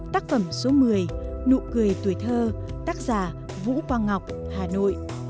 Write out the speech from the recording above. tác phẩm số một mươi nụ cười tuổi thơ tác giả vũ quang ngọc hà nội